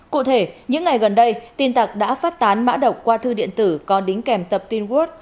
cụ thể những ngày gần đây tin tặc đã phát tán mã độc qua thư điện tử có đính kèm tập tin wat